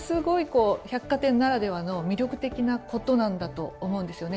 こう百貨店ならではの魅力的なことなんだと思うんですよね。